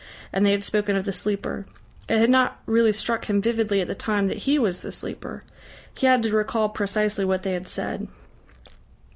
And they had spoken of the Sleeper; it had not really struck him vividly at the time that he was the Sleeper. He had to recall precisely what they had said....